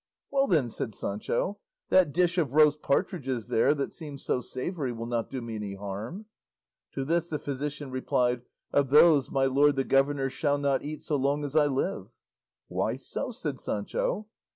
"Well then," said Sancho, "that dish of roast partridges there that seems so savoury will not do me any harm." To this the physician replied, "Of those my lord the governor shall not eat so long as I live." "Why so?" said Sancho.